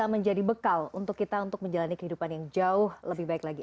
dan bisa menjadi bekal untuk kita untuk menjalani kehidupan yang jauh lebih baik lagi